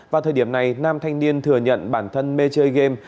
vào thời điểm này nam thanh niên thừa nhận bản thân mê chơi game